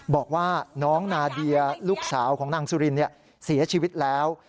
บอกว่าน้องนาเดียลูกสาวของนางสุรินเสียชีวิตแล้ว